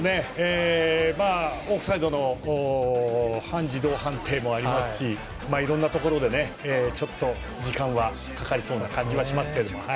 オフサイドの半自動判定もありますしいろんなところでちょっと時間はかかりそうな感じはしますけども。